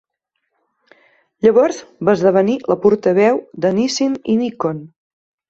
Llavors va esdevenir la portaveu de Nissin i Nikon.